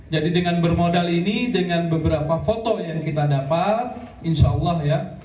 jadi dengan bermodal ini dengan beberapa foto yang kita dapat insya allah ya